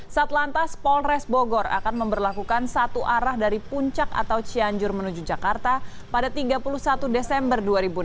satlantas polres bogor akan memperlakukan satu arah dari puncak atau cianjur menuju jakarta pada tiga puluh satu desember dua ribu enam belas